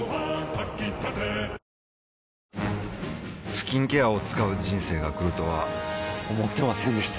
スキンケアを使う人生が来るとは思ってませんでした